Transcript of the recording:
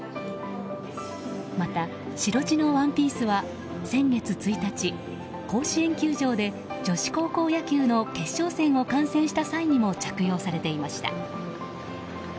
また、白地のワンピースは先月１日、甲子園球場で女子高校野球の決勝戦を観戦した際にも着用されていました。